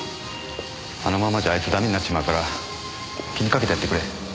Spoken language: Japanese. あのままじゃあいつダメになっちまうから気にかけてやってくれ。